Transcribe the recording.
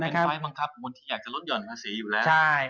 เป็นไฟล์บังคับคนที่อยากจะลดห่อนภาษีอยู่แล้ว